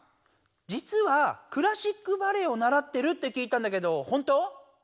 じつはクラシックバレエをならってるって聞いたんだけどほんと？